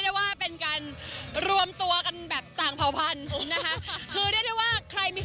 นี่เป็นไงรู้สึกประทับใจไหม